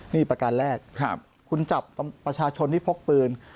นี่ประการแรกคุณจับประชาชนที่พกปืน